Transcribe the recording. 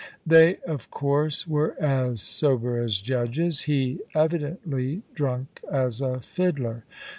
They, of course, were as sober as judges; he, evidently, drunk as a fiddler.